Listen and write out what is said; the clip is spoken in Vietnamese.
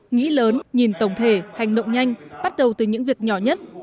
nghĩ lớn nhìn tổng thể hành động nhanh bắt đầu từ những việc nhỏ nhất